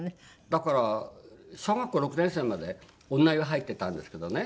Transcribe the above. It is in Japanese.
だから小学校６年生まで女湯入ってたんですけどね。